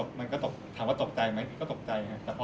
มันก็ถามว่าตกใจไหมก็ตกใจครับ